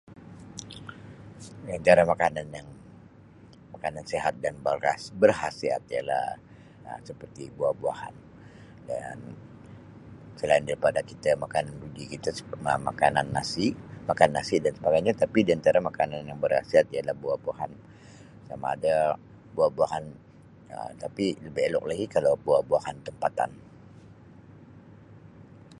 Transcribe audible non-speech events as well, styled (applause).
Antara makanan yang- makanan sihat dan beras- berkhasiat ialah Um seperti buah-buahan dan selain daripada kita makan (unintelligible) kita sep- ma- makanan nasi, makan nasi dan sebagainya tapi diantara makanan yang berkhasiat ialah buah-buahan. Sama ada buah-buahan Um tapi lebih elok lagi kalau buah-buahan tempatan.